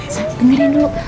sah dengerin dulu